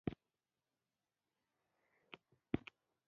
زه سهارنۍ مریضي نه لرم، ته پرې خوشحاله یې.